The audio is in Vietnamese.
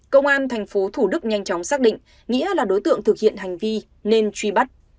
công an tp thủ đức nhanh chóng xác định nghĩa là đối tượng thực hiện hành vi nên truy bắt